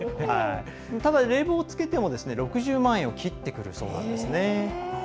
ただ、冷房をつけても６０万円を切ってくるそうなんですね。